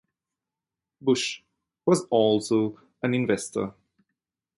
Bush was also an investor.